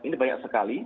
ini banyak sekali